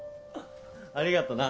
ありがとな。